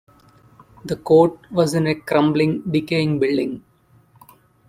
The court was in a crumbling, decaying building.